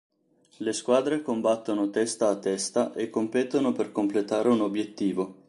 Le squadre combattono testa-a-testa, e competono per completare un obiettivo.